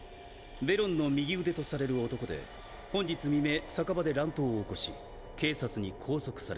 ベロンの右腕とされる男で本日未明酒場で乱闘を起こし警察に拘束されています。